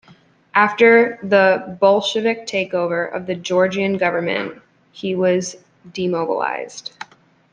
After the Bolshevik takeover of the Georgian government, he was demobilized.